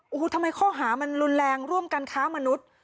โอ้โหทำไมข้อหามันรุนแรงร่วมกันค้ามนุษย์